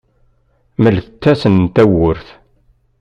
Mlet-asen tawwurt.